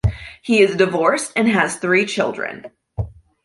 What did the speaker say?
He is divorced and has three children.